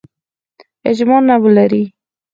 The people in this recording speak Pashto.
اجماع نه ولري.